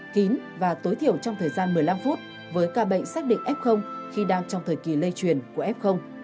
kín và tối thiểu trong thời gian một mươi năm phút với ca bệnh xác định f khi đang trong thời kỳ lây truyền của f